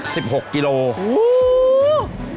สิบหกกิโลกรัมโอ้โฮ